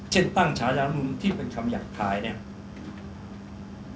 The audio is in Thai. เช่นตั้งฉายาลำนูนที่เป็นคำหยักคลายเนี่ย